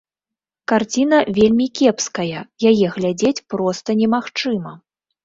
Карціна вельмі кепская, яе глядзець проста немагчыма.